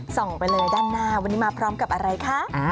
ไปเลยด้านหน้าวันนี้มาพร้อมกับอะไรคะ